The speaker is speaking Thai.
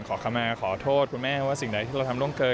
ขอเข้ามาขอโทษคุณแม่ว่าสิ่งใดที่เราทำร่วงเกิน